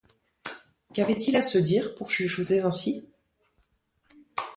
Qu'avaient-ils à se dire, pour chuchoter ainsi?